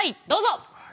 どうぞ。